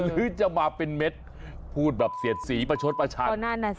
หรือจะมาเป็นเม็ดพูดแบบเสียดสีประชดประชัน